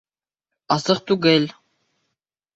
Асыҡ түгел!